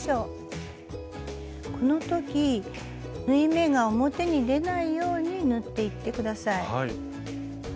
この時縫い目が表に出ないように縫っていって下さい。